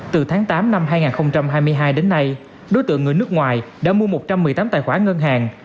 từ tháng tám năm hai nghìn hai mươi hai đến nay đối tượng người nước ngoài đã mua một trăm một mươi tám tài khoản ngân hàng